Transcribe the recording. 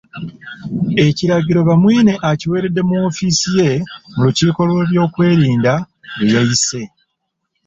Ekiragiro Bamwine akiweeredde mu woofiisi ye mu lukiiko lw'ebyokwerinda lwe yayise.